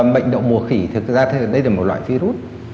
bệnh động mùa khỉ thực ra đây là một loại virus